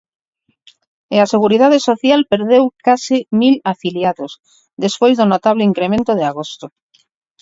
E a Seguridade Social perdeu case mil afiliados, despois do notable incremento de agosto.